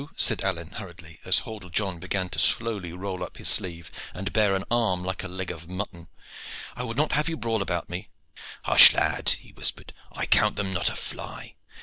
said Alleyne hurriedly, as Hordle John began to slowly roll up his sleeve, and bare an arm like a leg of mutton. "I would not have you brawl about me." "Hush! lad," he whispered, "I count them not a fly.